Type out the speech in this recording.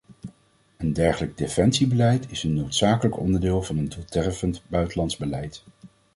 Een dergelijk defensiebeleid is een noodzakelijk onderdeel van een doeltreffend buitenlands beleid.